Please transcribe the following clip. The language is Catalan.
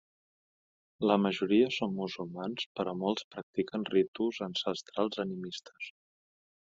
La majoria són musulmans però molts practiquen ritus ancestrals animistes.